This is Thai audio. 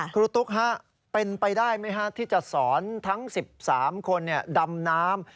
ตุ๊กเป็นไปได้ไหมฮะที่จะสอนทั้ง๑๓คนดำน้ำ